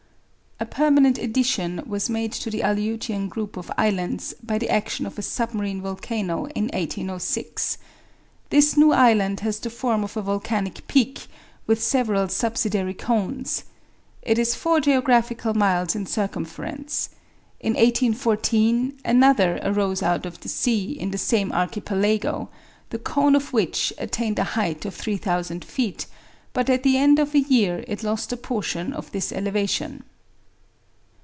A permanent addition was made to the Aleutian group of Islands by the action of a submarine volcano in 1806. This new island has the form of a volcanic peak, with several subsidiary cones. It is four geographical miles in circumference. In 1814 another arose out of the sea in the same archipelago, the cone of which attained a height of 3,000 feet; but at the end of a year it lost a portion of this elevation.